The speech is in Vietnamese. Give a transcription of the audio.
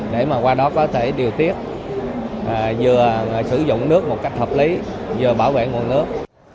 để mà qua đó có thể điều tiết vừa sử dụng nước một cách hợp lý vừa bảo vệ nguồn nước